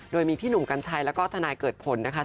โดยมีพี่หนุ่มกัญชัยแล้วก็ทนายเกิดผลนะคะ